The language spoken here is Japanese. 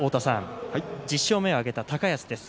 １０勝目を挙げた高安です。